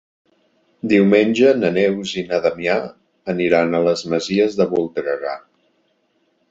Diumenge na Neus i na Damià aniran a les Masies de Voltregà.